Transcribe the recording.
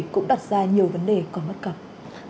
cũng đặt ra nhiều vấn đề còn bất cập